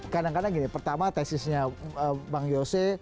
kadang kadang gini pertama tesisnya bang yose